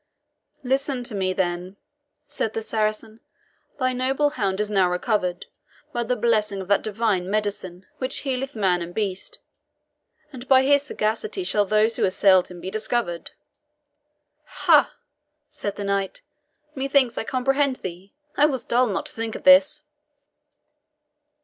"Listen thou to me, then," said the Saracen. "Thy noble hound is now recovered, by the blessing of that divine medicine which healeth man and beast; and by his sagacity shall those who assailed him be discovered." "Ha!" said the knight, "methinks I comprehend thee. I was dull not to think of this!"